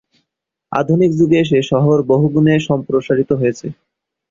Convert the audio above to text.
আধুনিক যুগে এসে শহর বহুগুণে সম্প্রসারিত হয়েছে।